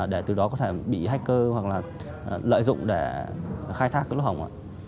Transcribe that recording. để từ đó có thể bị hacker hoặc là lợi dụng để khai thác cái lỗ hỏng ạ